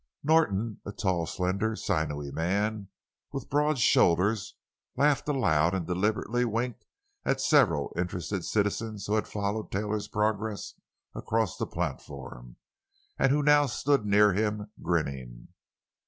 Norton—a tall, slender, sinewy man with broad shoulders—laughed aloud and deliberately winked at several interested citizens who had followed Taylor's progress across the platform, and who now stood near him, grinning.